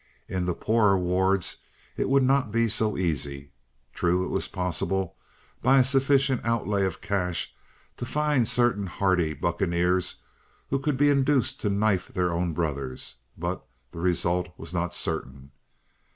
In the poorer wards it would not be so easy. True, it was possible, by a sufficient outlay of cash, to find certain hardy bucaneers who could be induced to knife their own brothers, but the result was not certain.